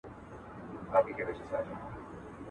فيصله د اسمانو د عدالت ده.